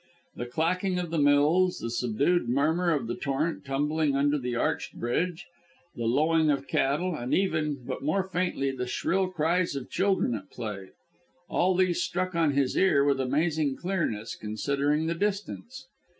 The clacking of the mills, the subdued murmur of the torrent tumbling under the arched bridge, the lowing of cattle, and even but more faintly the shrill cries of children at play; all these struck on his ear with amazing clearness, considering the distance.